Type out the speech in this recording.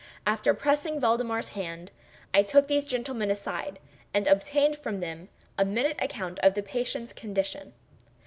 After pressing Valdemar's hand, I took these gentlemen aside, and obtained from them a minute account of the patient's condition.